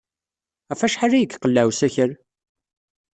Ɣef wacḥal ay iqelleɛ usakal?